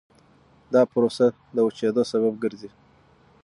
دا پروسه د وچېدو سبب ګرځي.